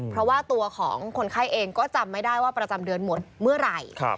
เพราะว่าตัวของคนไข้เองก็จำไม่ได้ว่าประจำเดือนหมดเมื่อไหร่